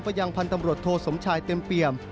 ยังพันธ์ตำรวจโทสมชายเต็มเปี่ยม